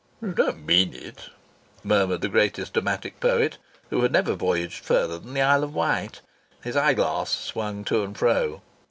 "You don't mean it?" murmured the greatest dramatic poet, who had never voyaged further than the Isle of Wight. His eyeglass swung to and fro.